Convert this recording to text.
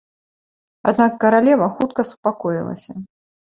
Аднак каралева хутка супакоілася.